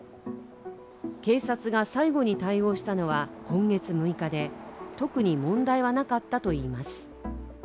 警察が最後に対応したのは今月６日で特に問題はなかったといいます。